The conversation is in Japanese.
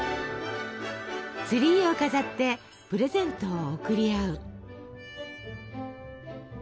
ツリーを飾ってプレゼントを贈り合う。